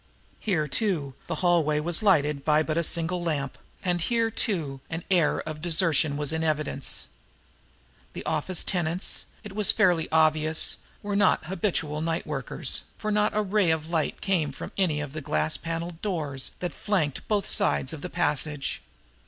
Here, too, the hallway was lighted by but a single lamp; and here, too, an air of desertion was in evidence. The office tenants, it was fairly obvious, were not habitual night workers, for not a ray of light came from any of the glass paneled doors that flanked both sides of the passage.